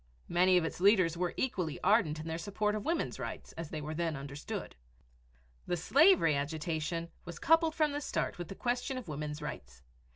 Many of its leaders were equally ardent in their support of Women's Rights as they were then understood. The slavery agitation was coupled from the start with the question of Women's Rights.